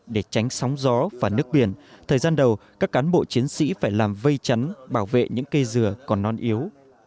để tránh sóng gió và nước biển thời gian đầu các cán bộ chiến sĩ phải làm vây chắn bảo vệ những cây dừa còn non yếu